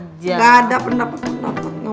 nggak ada pendapat pendapatnya